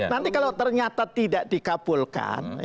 nanti kalau ternyata tidak dikabulkan